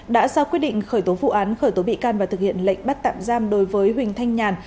đã ra quyết định khởi tố vụ án khởi tố bị can và thực hiện lệnh bắt tạm giam đối với huỳnh thanh nhàn